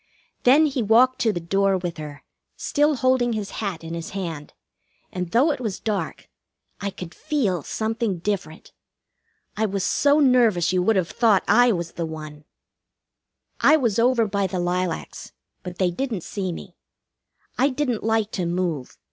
Then he walked to the door with her, still holding his hat in his hand, and though it was dark I could feel something different. I was so nervous you would have thought I was the one. I was over by the lilacs; but they didn't see me. I didn't like to move.